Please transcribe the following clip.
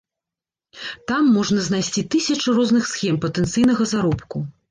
Там можна знайсці тысячы розных схем патэнцыйнага заробку.